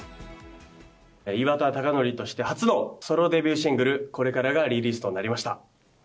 岩田剛典として初のソロデビューシングル、コレカラがリリースとなりました。